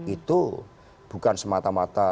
itu bukan semata mata